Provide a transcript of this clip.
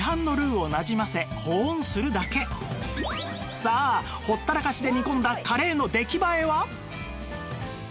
あとはさあほったらかしで煮込んだカレーの出来栄えは？